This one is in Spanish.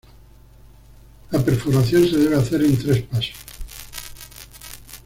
La perforación se debe hacer en tres pasos.